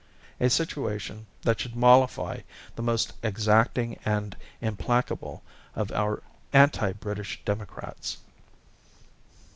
A situation that should mollify the most exacting and implacable of our anti British democrats!